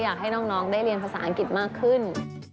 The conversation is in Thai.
อยากให้น้องได้เรียนภาษาอังกฤษมากขึ้น